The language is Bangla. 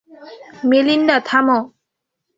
মেলিন্ডা - থামো।